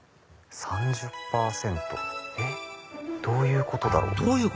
どういうことだろう？